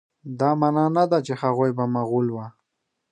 دا معنی نه ده چې هغوی به مغول وه.